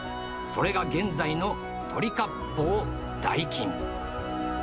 それが現在の鳥割烹大金。